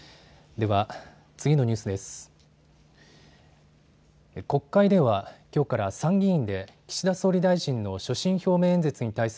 では、次のニュースです。